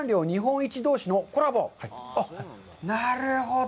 なるほど。